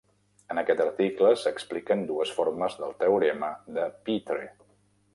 En aquest article s'expliquen dues formes del teorema de Peetre.